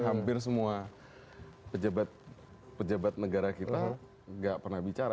hampir semua pejabat negara kita nggak pernah bicara